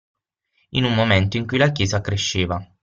In un momento in cui la Chiesa cresceva.